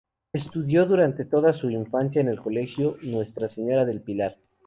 Estudió durante toda su infancia en el colegio Nuestra Señora del Pilar.